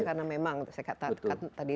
karena memang saya katakan tadi